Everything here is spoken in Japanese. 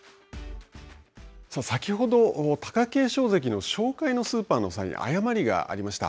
先ほど貴景勝関の紹介のスーパーの際に誤りがありました。